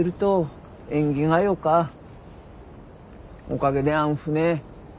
おかげであん船